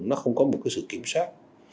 nó không có một sự kiểm soát